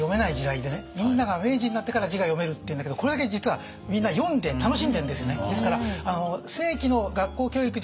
みんなが明治になってから字が読めるっていうんだけどこれだけ実はみんな読んで楽しんでんですね。